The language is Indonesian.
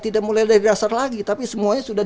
tidak mulai dari dasar lagi tapi semuanya sudah